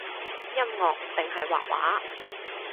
音樂定係畫畫？